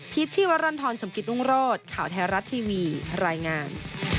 ชีวรรณฑรสมกิตรุงโรศข่าวไทยรัฐทีวีรายงาน